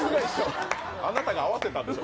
あなたが合わせたんでしょ？